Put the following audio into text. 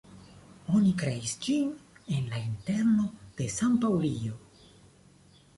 Oni kreis ĝin en la interno de San-Paŭlio.